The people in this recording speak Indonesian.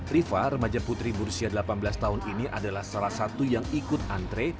rifa remaja putri berusia delapan belas tahun ini adalah salah satu yang ikut antre